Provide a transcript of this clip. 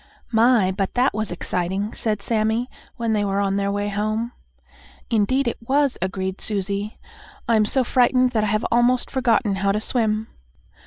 "My! but that was exciting," said Sammie, when they were on their way home. "Indeed it was," agreed Susie. "I'm so frightened that I have almost forgotten how to swim."